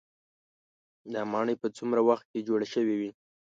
دا ماڼۍ په څومره وخت کې جوړې شوې وي.